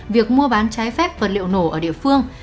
việc mua bán trái phép vật liệu nổ ở địa phương